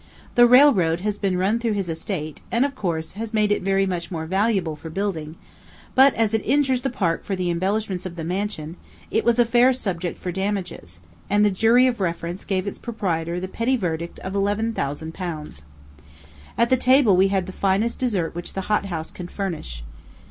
The railroad has been run through his estate, and, of course, has made it very much more valuable for building; but as it injures the park for the embellishment of the mansion, it was a fair subject for damages, and the jury of reference gave its proprietor the pretty verdict of eleven thousand pounds. At the table we had the finest dessert which the hothouse can furnish.